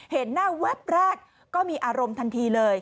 เห็นหน้าแวบแรกก็มีอารมณ์ทันทีเลย